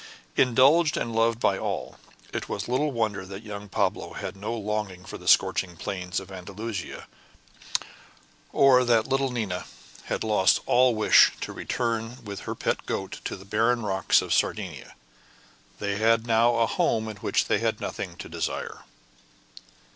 Indulged and loved by all, it was little wonder that young Pablo had no longing for the scorching plains of Andalusia, or that little Nina had lost all wish to return with her pet goat to the barren rocks of Sardinia. They had now a home in which they had nothing to desire.